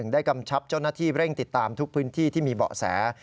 กำชับเจ้าหน้าที่เร่งติดตามทุกพื้นที่ที่มีเบาะแส